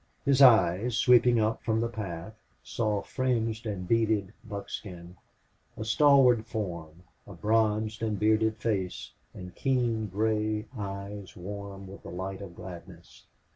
His eyes, sweeping up from the path, saw fringed and beaded buckskin, a stalwart form, a bronzed and bearded face, and keen, gray eyes warm with the light of gladness.